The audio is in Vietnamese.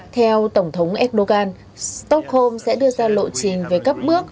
theo tổng thống erdogan stockholm sẽ đưa ra lộ trình về các bước